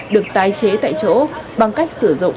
được tài chế tại chỗ bằng cách sử dụng